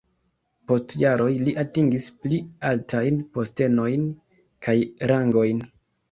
Post jaroj li atingis pli altajn postenojn kaj rangojn.